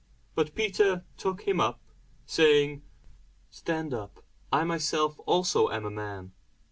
But Peter took him up, saying, Stand up; I myself also am a man.